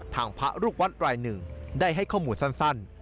พระลูกวัดรายหนึ่งได้ให้ข้อมูลสั้น